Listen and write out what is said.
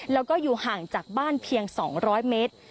แล้วก็อยู่ห่างจากบ้านเพียง๒๐๐เมตร